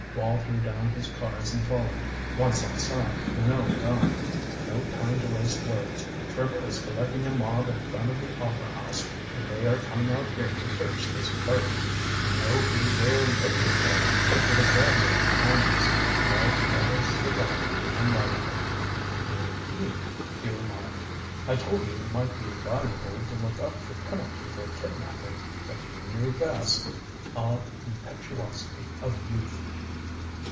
Wall threw down his cards and followed. Once outside, Minot went on: "No time to waste words. Trimmer is collecting a mob in front of the opera house, and they are coming out here to search this boat. You know who they're looking for." With exaggerated calmness Wall took out a cigar and lighted it. "Indeed?" he remarked. "I told you it might be advisable to look up the penalty for kidnaping. But you knew best. Ah, the impetuosity of youth!"